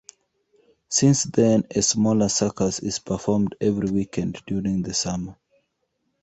Since then, a smaller circus is performed every weekend during the summer.